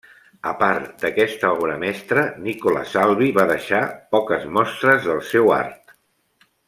A part d'aquesta obra mestra, Nicola Salvi va deixar poques mostres del seu art.